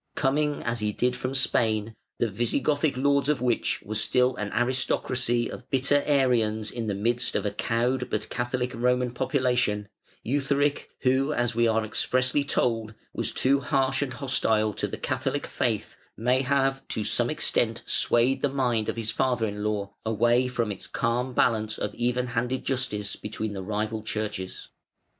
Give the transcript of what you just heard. Coming as he did from Spain, the Visigothic lords of which were still an aristocracy of bitter Arians in the midst of a cowed but Catholic Roman population, Eutharic, who, as we are expressly told, "was too harsh and hostile to the Catholic faith", may have to some extent swayed the mind of his father in law away from its calm balance of even handed justice between the rival Churches.